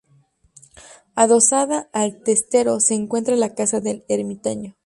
Adosada al testero se encuentra la casa del ermitaño.